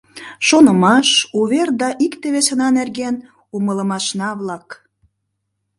Шонымаш, увер да икте-весына нерген умылымашна-влак.